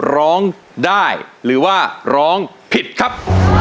ร้องได้หรือว่าร้องผิดครับ